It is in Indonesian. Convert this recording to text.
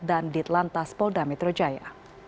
dan ditlan tas polda metro jaya